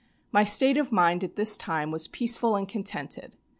My state of mind at this time was peaceful and contented.